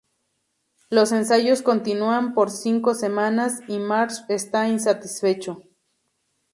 Los ensayos continúan por cinco semanas, y Marsh está insatisfecho.